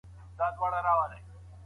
پنډي تل په اوږه باندي ګڼ توکي راوړي.